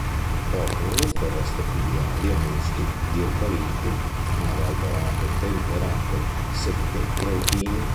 Popolano foreste pluviali, a muschi, di eucalipti, aree alberate temperate, secche e alpine.